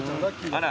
あら。